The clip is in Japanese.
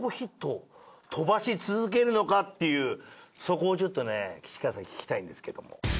そこをちょっとね岸川さんに聞きたいんですけども。